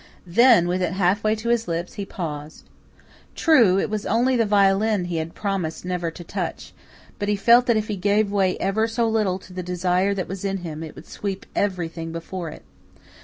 Then, with it half way to his lips, he paused. True, it was only the violin he had promised never to touch; but he felt that if he gave way ever so little to the desire that was in him, it would sweep everything before it.